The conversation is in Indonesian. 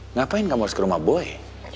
ngapain kamu harus ke rumah boy